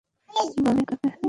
গালি কাকে দিলি?